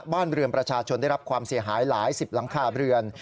บ้านเรือนประชาชนได้รับความเสียหายหลายสิบหลังคาเรือน